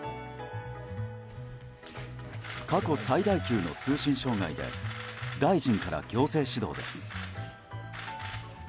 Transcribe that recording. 過去最大級の通信障害で大臣から行政指導です。